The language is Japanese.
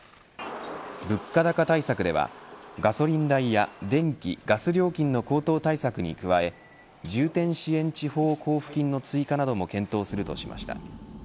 物価高対策ではガソリン代や電気、ガス料金の高騰対策に加え重点支援地方交付金の追加なども検討するとしました。